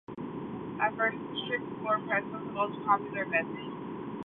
At first the strict floor press was the most popular method.